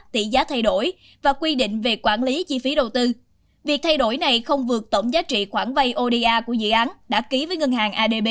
tỷ giá thay đổi và quy định về quản lý chi phí đầu tư việc thay đổi này không vượt tổng giá trị khoản vay oda của dự án đã ký với ngân hàng adb